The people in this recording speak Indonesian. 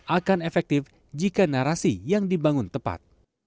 akan efektif jika narasi yang dibangun tepat